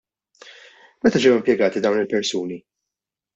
Meta ġew impjegati dawn il-persuni?